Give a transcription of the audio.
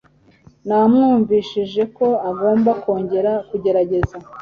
Namwumvishije ko agomba kongera kugerageza